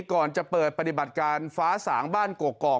ก่อนจะเปิดปฏิบัติการฟ้าสางบ้านกกอก